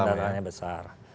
tanda tanya besar